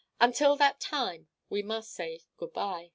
Until that time, we must say good by.